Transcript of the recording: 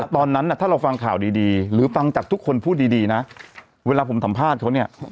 ตอนนั้นถ้าเราฟังข่าวดีหรือฟังจากทุกคนพูดดีนะเวลาผมสัมภาษณ์เขาเนี่ย